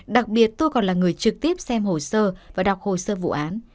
đặc biệt tôi còn là người trực tiếp xem hồ sơ và đọc hồ sơ vụ án